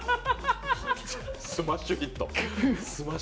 スマッシュヒット。